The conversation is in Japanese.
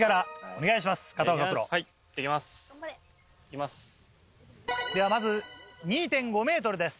お願いします。